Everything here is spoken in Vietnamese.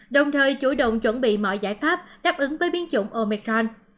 đồng thời chủ động chuẩn bị mọi giải pháp đáp ứng với biến chủng omicron